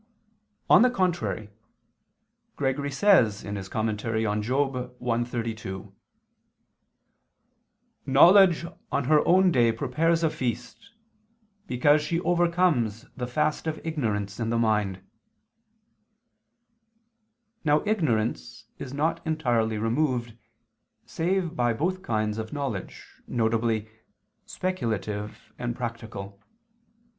On the contrary, Gregory says (Moral. i, 32): "Knowledge on her own day prepares a feast, because she overcomes the fast of ignorance in the mind." Now ignorance is not entirely removed, save by both kinds of knowledge, viz. speculative and practical.